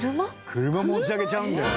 車持ち上げちゃうんだよ？